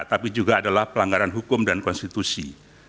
tapi juga adalah pelanggaran hukum dan konstitusi